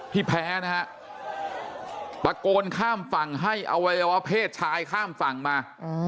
ที่แพ้นะฮะตะโกนข้ามฝั่งให้อวัยวะเพศชายข้ามฝั่งมา